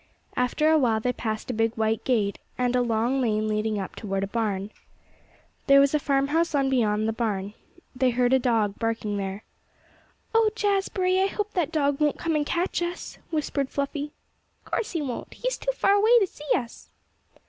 After a while they passed a big white gate, and a long lane leading up toward a barn. There was a farm house on beyond the barn. They heard a dog barking there. "Oh, Jazbury! I hope that dog won't come and catch us," whispered Fluffy. "Course he won't. He's too far away to see us."